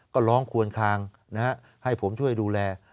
ก็ร้องควนคางให้ผมช่วยดูแล